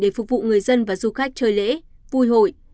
để phục vụ người dân và du khách chơi lễ vui hội